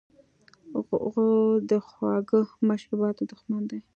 غول د خواږه مشروباتو دښمن دی.